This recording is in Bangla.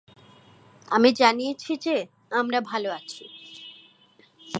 আমি জানিয়েছি যে, আমরা ভাল আছি।